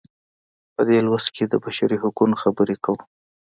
په دې لوست کې د بشري حقونو خبرې کوو.